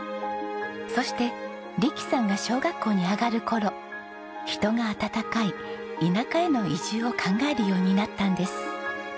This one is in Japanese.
そして力さんが小学校に上がる頃人が温かい田舎への移住を考えるようになったんです。